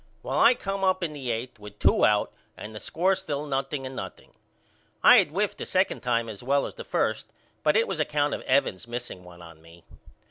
Well I come up in the eighth with two out and the score still nothing and nothing. I had whiffed the second time as well as the first but it was account of Evans missing one on me.